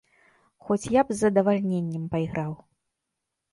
Хоць я б з задавальненнем пайграў.